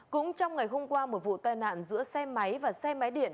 cũng trong ngày hôm qua một vụ tai nạn giữa xe máy và xe máy điện